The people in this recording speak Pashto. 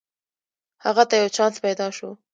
هغه ته یو چانس پیداشو